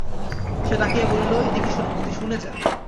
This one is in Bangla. সে ডাকিয়া বলিল, এদিকে শোন মতি, শুনে যা।